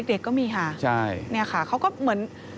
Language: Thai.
ใช่เด็กก็มีค่ะนี่ค่ะเขาก็เหมือน